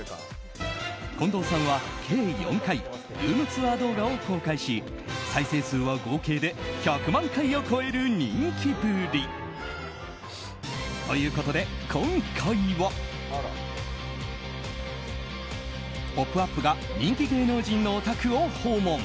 近藤さんは計４回ルームツアー動画を公開し再生数は合計で１００万回を超える人気ぶり。ということで、今回は「ポップＵＰ！」が人気芸能人のお宅を訪問。